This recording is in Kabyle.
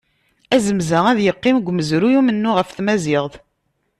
Azmez-a, ad yeqqim deg umezruy n umennuɣ ɣef tmaziɣt.